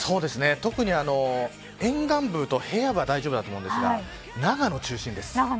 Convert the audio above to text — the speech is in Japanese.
特に沿岸部と平野部は大丈夫だと思うんですが長野中心です。